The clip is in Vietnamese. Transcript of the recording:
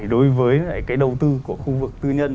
đối với đầu tư của khu vực tư nhân